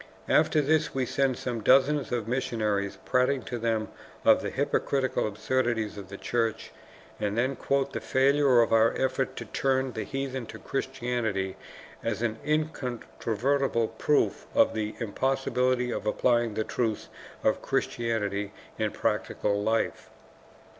After this we send some dozens of missionaries prating to them of the hypocritical absurdities of the Church, and then quote the failure of our efforts to turn the heathen to Christianity as an incontrovertible proof of the impossibility of applying the truths of Christianity in practical life.